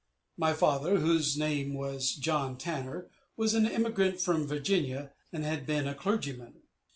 My father, whose name was John Tanner, was an emigrant from Virginia, and had been a clergyman.